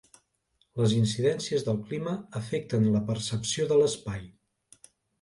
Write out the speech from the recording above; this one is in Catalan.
Les incidències del clima afecten la percepció de l'espai.